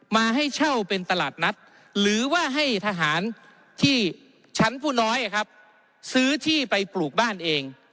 มาให้เช่าเป็นตลาดนัดหรือว่าให้ทหารที่ชั้นผู้น้อยซื้อที่ไปปลูกบ้านเอง